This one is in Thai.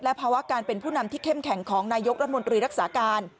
ภาวะการเป็นผู้นำที่เข้มแข็งของนายกรัฐมนตรีรักษาการ